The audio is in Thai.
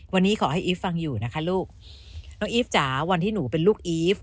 วันนี้ขอให้อีฟฟังอยู่นะคะลูกน้องอีฟจ๋าวันที่หนูเป็นลูกอีฟ